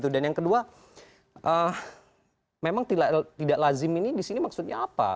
dan yang kedua memang tidak lazim ini disini maksudnya apa